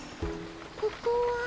ここは。